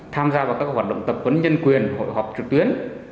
tham gia vào các hoạt động tập huấn nhân quyền hội họp trực tuyến